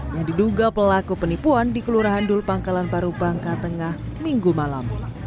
yang diduga pelaku penipuan di kelurahan dul pangkalan baru bangka tengah minggu malam